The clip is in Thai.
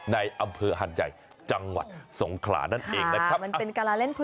ในอำเภอหันใหญ่จังหวัดสงขลานั่นเอง